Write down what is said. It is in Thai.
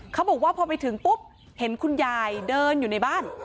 เขาบอกว่าพอไปถึงปุ๊บเห็นคุณยายเดินอยู่ในบ้าน